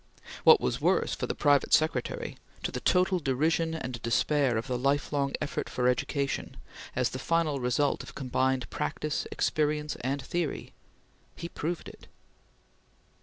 What was worse for the private secretary, to the total derision and despair of the lifelong effort for education, as the final result of combined practice, experience, and theory he proved it.